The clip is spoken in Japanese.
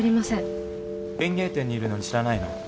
園芸店にいるのに知らないの？